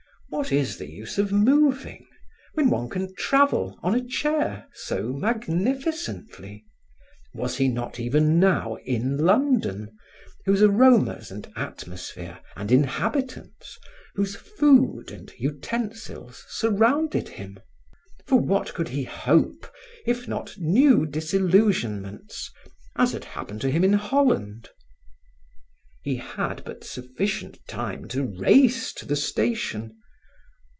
What is the use of moving, when one can travel on a chair so magnificently? Was he not even now in London, whose aromas and atmosphere and inhabitants, whose food and utensils surrounded him? For what could he hope, if not new disillusionments, as had happened to him in Holland? He had but sufficient time to race to the station.